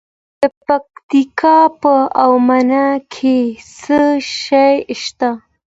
د پکتیکا په اومنه کې څه شی شته؟